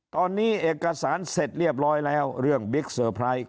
ตอนนี้เอกสารเสร็จเรียบร้อยแล้วเรื่องบิ๊กเซอร์ไพรส์